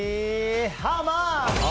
ハウマッチ。